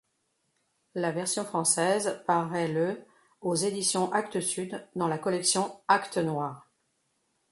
La version française paraît le aux éditions Actes Sud dans la collection Actes -noirs.